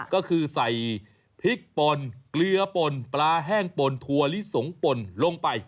ก็คือใส่พริกป่นเกลือป่นปลาแห้งป่นถั่วลิสงป่นลงไป